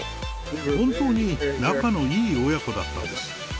本当に仲のいい親子だったんです。